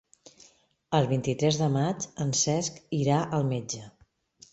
El vint-i-tres de maig en Cesc irà al metge.